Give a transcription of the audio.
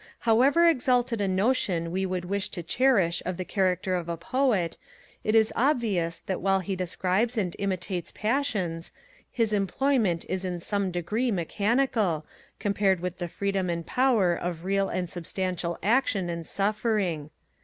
However exalted a notion we would wish to cherish of the character of a Poet, it is obvious, that while he describes and imitates passions, his employment is in some degree mechanical, compared with the freedom and power of real and substantial action and suffering.